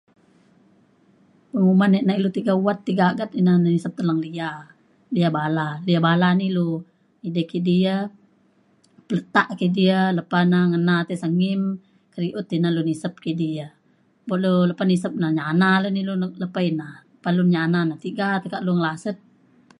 penguman wak nai ilu tiga wat ti agat um nisep teleng lia. lia bala lia bala ni ilu edei kidi ya peletak kidi ya lepa na ngena tai sengim kediut ina lu nisep kidi ya. buk lu lepa nisep na nyana na ilu lepa ina. pa lu nyana na tiga tekak lu ngelaset.